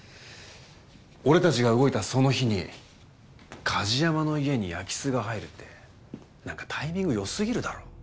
俺たちが動いたその日に梶山の家に空き巣が入るってなんかタイミング良すぎるだろ。